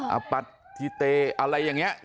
อะปัสทิเจเหอะอะไรอย่างนี้